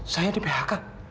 saya di phk